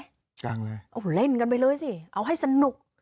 เอาเหล่นกันไปเลยสิเอาให้สนุก